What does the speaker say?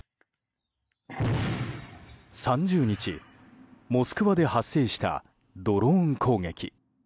３０日、モスクワで発生したドローン攻撃。